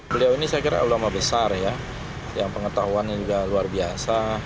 beliau ini saya kira ulama besar ya yang pengetahuannya juga luar biasa